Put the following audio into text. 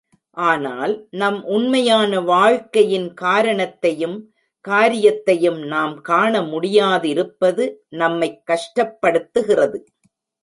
ஆனால், நம் உண்மையான வாழ்க்கையின் காரணத்தையும் காரியத்தையும் நாம் காண முடியாதிருப்பது நம்மைக் கஷ்டப்படுத்துகிறது.